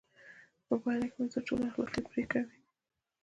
په پایله کې به تر ټولو اخلاقي پرېکړه وي.